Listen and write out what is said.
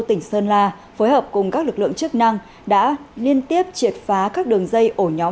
tỉnh sơn la phối hợp cùng các lực lượng chức năng đã liên tiếp triệt phá các đường dây ổ nhóm